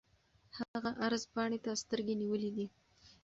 هغه عرض پاڼې ته سترګې نیولې دي.